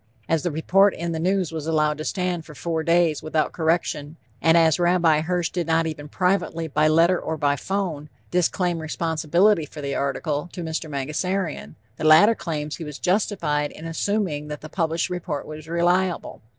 As the report in the News was allowed to stand for four days without correction, and as Rabbi Hirsch did not even privately, by letter or by phone, disclaim responsibility for the article, to Mr. Mangasarian, the latter claims he was justified in assuming that the published report was reliable.